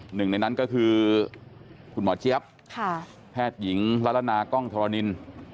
หนึ่งในนั้นก็คือคุณหมอเจี๊ยบแพทย์หญิงละละนากล้องธรณิน